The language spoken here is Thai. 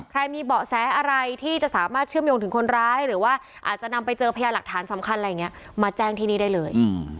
มีเบาะแสอะไรที่จะสามารถเชื่อมโยงถึงคนร้ายหรือว่าอาจจะนำไปเจอพยาหลักฐานสำคัญอะไรอย่างนี้มาแจ้งที่นี่ได้เลย